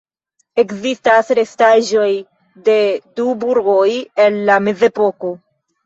Ekzistas restaĵoj de du burgoj el la mezepoko.